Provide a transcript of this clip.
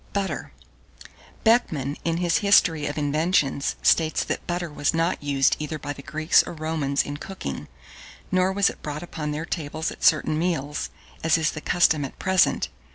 BUTTER. 1615. BECKMAN, in his "History of Inventions," states that butter was not used either by the Greeks or Romans in cooking, nor was it brought upon their tables at certain meals, as is the custom at present.